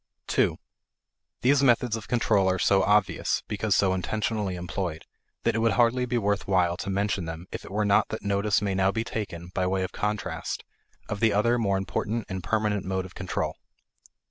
2. These methods of control are so obvious (because so intentionally employed) that it would hardly be worth while to mention them if it were not that notice may now be taken, by way of contrast, of the other more important and permanent mode of control.